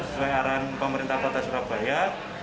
sesuai arahan pemerintah kota surabaya